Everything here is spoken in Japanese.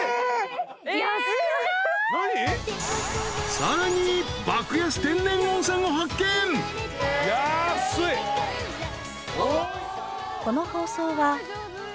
［さらに爆安天然温泉を発見］買います。